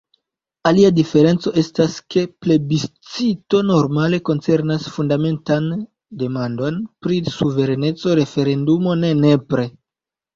Alia diferenco estas, ke plebiscito normale koncernas fundamentan demandon pri suvereneco, referendumo ne nepre.